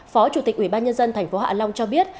phó chủ tịch ủy ban nhân dân thành phố hạ long cho biết